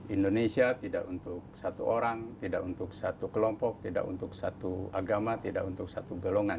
indonesia tidak untuk satu orang tidak untuk satu kelompok tidak untuk satu agama tidak untuk satu golongan